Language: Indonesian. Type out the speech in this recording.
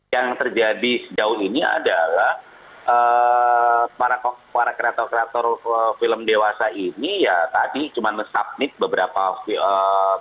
yang terjadi sejauh ini adalah para kreator kreator film dewasa ini ya tadi cuma mensubmit beberapa film